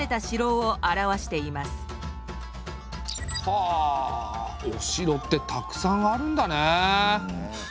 はあお城ってたくさんあるんだね。